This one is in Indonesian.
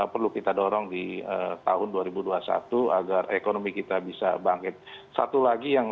perlu kita dorong di tahun dua ribu dua puluh satu agar ekonomi kita bisa bangkit satu lagi yang